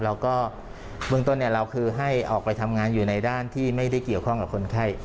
แล้วก็เบื้องต้นเราคือให้ออกไปทำงานอยู่ในด้านที่ไม่ได้เกี่ยวข้องกับคนไข้